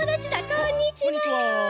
こんにちは！